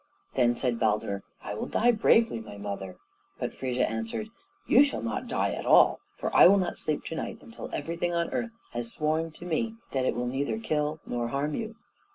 Then said Baldur, "I will die bravely, my mother." But Frigga answered, "You shall not die at all; for I will not sleep to night until everything on earth has sworn to me that it will neither kill nor harm you."